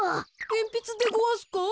えんぴつでごわすか？